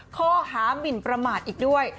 ข้อหามินประมาทอีกด้วย